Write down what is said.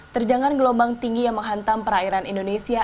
terjangan gelombang tinggi yang menghantam perairan indonesia